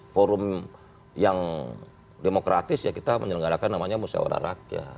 forum yang demokratis ya kita menyelenggarakan namanya musyawarah rakyat